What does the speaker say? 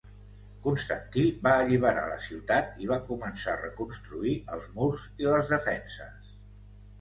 Constantí va alliberar la ciutat i va començar a reconstruir els murs i les defenses.